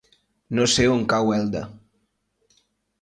No sé on cau Elda.